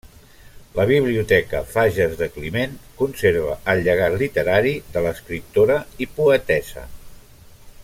La Biblioteca Fages de Climent conserva el llegat literari de l'escriptora i poetessa.